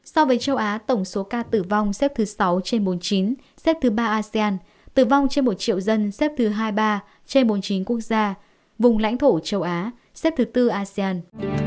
so với châu á tổng số ca tử vong xếp thứ sáu trên bốn mươi chín xếp thứ ba asean tử vong trên một triệu dân xếp thứ hai mươi ba trên bốn mươi chín quốc gia vùng lãnh thổ châu á xếp thứ tư asean